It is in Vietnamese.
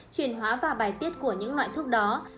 chuyển hóa và bài tiết của những loại thước đó